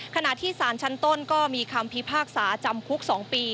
ขณะที่สารชั้นต้นก็มีคำพิพากษาจำคุก๒ปี